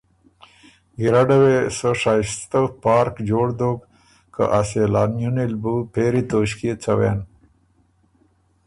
ګیرډه وې سۀ شائستۀ پارک جوړ ݭیوک که ا سېلانئنی ل بُو پېری توݭکيې څوېن